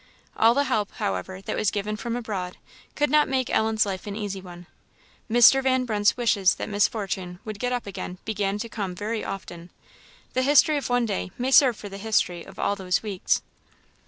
All the help, however, that was given from abroad could not make Ellen's life an easy one; Mr. Van Brunt's wishes that Miss Fortune would get up again began to come very often. The history of one day may serve for the history of all those weeks.